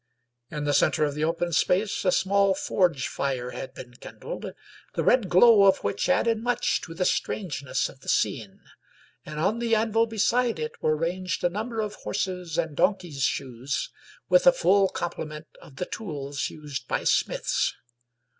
In the center of the open space a small forge fire had been kindled, the red glow of which added much to the strangeness of the scene; and on the anvil beside it were ranged a number of horses' and donkeys' shoes, with a full complement of the tools used by smiths.